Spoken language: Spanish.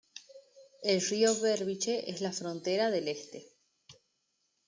El río Berbice es la frontera del este.